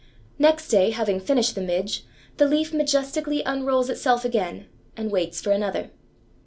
Next day, having finished the midge, the leaf majestically unrolls itself again and waits for another.